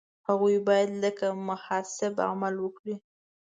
هغوی باید لکه محاسب عمل وکړي.